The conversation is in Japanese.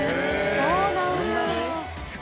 そうなんだ。